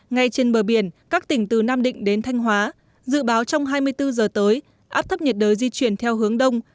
ngay trên bờ biển các tỉnh từ nam định đến thanh hóa dự báo trong hai mươi bốn giờ tới áp thấp nhiệt đới di chuyển theo hướng đông